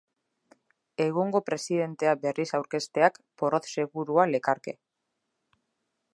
Egungo presidentea berriz aurkezteak porrot segurua lekarke.